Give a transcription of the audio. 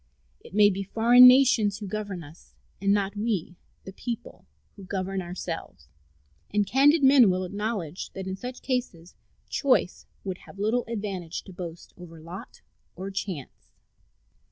It may be foreign nations who govern us, and not we, the people, who govern ourselves; and candid men will acknowledge that in such cases choice would have little advantage to boast of over lot or chance.